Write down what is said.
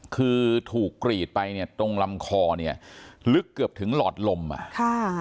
คือถูกกรีดไปเนี่ยตรงลำคอเนี่ยลึกเกือบถึงหลอดลมอ่ะค่ะ